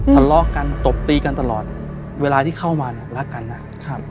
ทะเลาะกันตบตีกันตลอดเวลาที่เข้ามาเนี่ยรักกันนะครับ